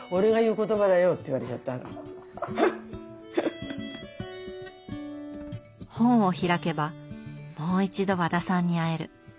っつったら本を開けばもう一度和田さんに会える。